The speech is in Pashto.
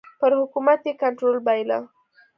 پر حکومت یې کنټرول بایله.